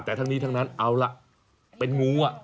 แต่ทั้งนี้ทั้งนั้นเอาล่ะเป็นงูอ่ะ